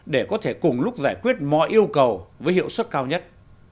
để có thể cùng lúc giải quyết mọi yêu cầu với hiệu suất cao nhất